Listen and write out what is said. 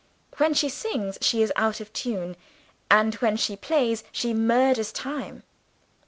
When she sings, she is out of tune; and, when she plays, she murders time.